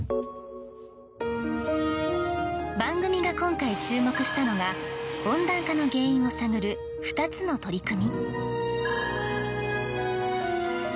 番組が今回、注目したのが温暖化の原因を探る２つの取り組み。